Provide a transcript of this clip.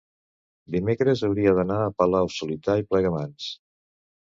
dimecres hauria d'anar a Palau-solità i Plegamans.